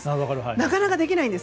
なかなかできないんです。